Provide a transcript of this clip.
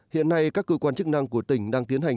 hiện nay các cơ quan chức năng của tỉnh đang tiến hành